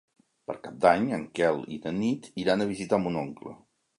Per Cap d'Any en Quel i na Nit iran a visitar mon oncle.